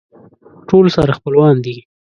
ټول سره خپلوان دي.